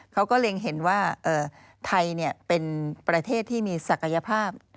เขาก็เล็งเห็นว่าไทยเป็นประเทศที่มีศักยภาพ